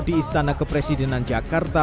di istana kepresidenan jakarta